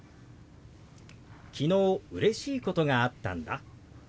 「昨日うれしいことがあったんだ」。